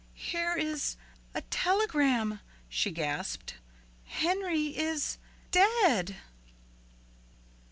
"Here is a telegram," she gasped. "Henry is dead."